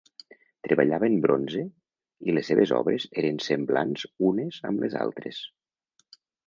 Treballava en bronze i les seves obres eren semblants unes amb les altres.